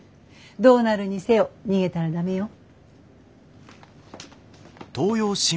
どうなるにせよ逃げたら駄目よ。